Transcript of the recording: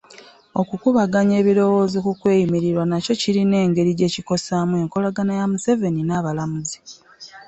Okukubaganya ebirowoozo ku kweyimirirwa nakyo kirina engeri gye kikosaamu enkolagana ya Museveni n'abalamuzi